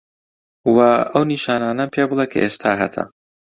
وە ئەو نیشانانەم پێ بلێ کە ئێستا هەتە؟